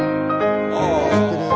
知ってる。